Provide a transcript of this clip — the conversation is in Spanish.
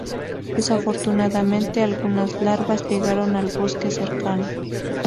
Desafortunadamente, algunas larvas llegaron al bosque cercano.